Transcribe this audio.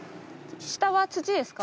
下は土ですか？